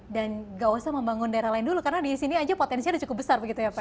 dan gak usah membangun daerah lain dulu karena disini aja potensi cukup besar begitu ya pak ya